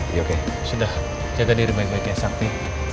iya oke sudah jaga diri baik baiknya sakti